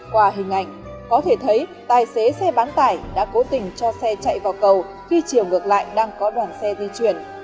qua hình ảnh có thể thấy tài xế xe bán tải đã cố tình cho xe chạy vào cầu khi chiều ngược lại đang có đoàn xe di chuyển